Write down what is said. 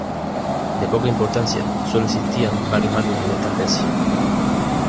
De poca importancia solo existían varios árboles de esta especie.